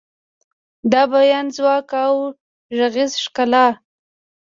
د بیان ځواک او غږیز ښکلا